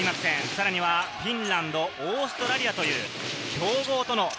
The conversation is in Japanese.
さらにはフィンランド、オーストラリアという強豪との。